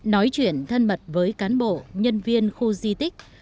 nói chuyện thân mật với cán bộ nhân viên khu di tích